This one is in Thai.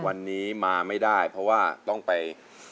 วันนี้มาไม่ได้เพราะว่าต้องไป